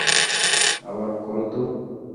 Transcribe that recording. আবার করো তো।